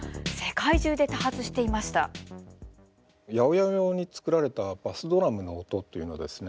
８０８用に作られたバスドラムの音というのはですね